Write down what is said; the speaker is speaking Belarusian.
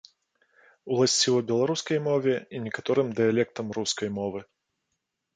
Уласціва беларускай мове і некаторым дыялектам рускай мовы.